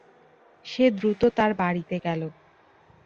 সে দ্রুত তার বাড়িতে গেল।